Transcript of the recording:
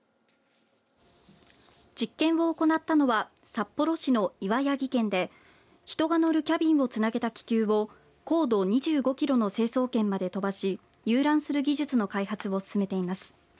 実験を行ったのは札幌市の岩谷技研で人が乗るキャビンをつなげた気球を高度２５キロの成層圏まで飛ばし遊覧する技術の開発を進めています。